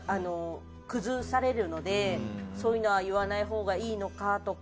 崩されるのでそういうのは言わないほうがいいのかとか。